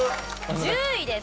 １０位です。